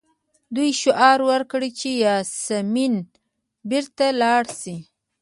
دوی شعار ورکړ چې سایمن بیرته لاړ شه.